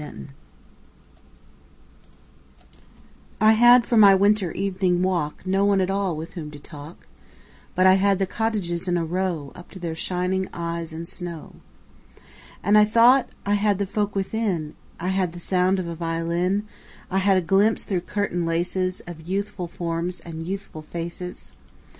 Good Hours I HAD for my winter evening walk No one at all with whom to talk, But I had the cottages in a row Up to their shining eyes in snow. And I thought I had the folk within: I had the sound of a violin; I had a glimpse through curtain laces Of youthful forms and youthful faces.